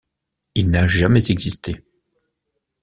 Il n'a jamais existé.